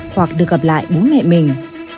hoặc được gặp lại bố mẹ mình